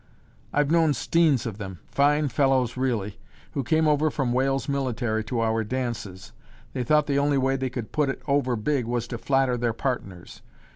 I've known steens of them, fine fellows really, who came over from Wales Military to our dances. They thought the only way they could put it over big was to flatter their partners.